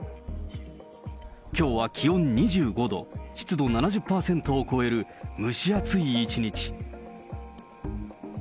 きょうは気温２５度、湿度７０％を超える蒸し暑い一日。